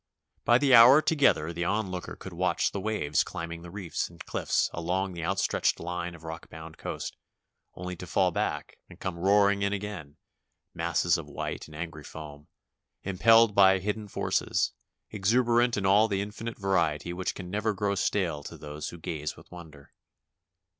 By the hour together the onlooker could watch the waves climbing the reefs and cliffs along the outstretched line of rock bound coast, only to fall back and come roaring in again, masses of white and angry foam, impelled by hidden forces, exuberant in all the infinite variety which can never grow stale to those who gaze with wonder.